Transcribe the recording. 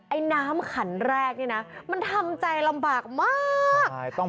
ไอ้น้ำขันแรกนี่นะมันทำใจลำบากมาก